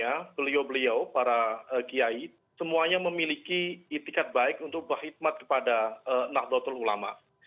ya pak reinhardt saya yakin dua duanya beliau beliau para kiai semuanya memiliki itikat baik untuk berkhidmat kepada nakdotal ulama